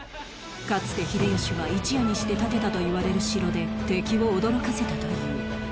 かつて秀吉は一夜にして建てたといわれる城で敵を驚かせたという